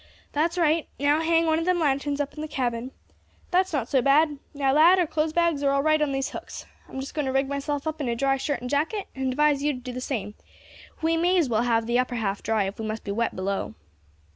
That's right. Now, hang one of them lanterns up in the cabin. That's not so bad. Now, lad, our clothes bags are all right on these hooks. I am just going to rig myself up in a dry shirt and jacket, and advise you to do the same; we may as well have the upper half dry if we must be wet below."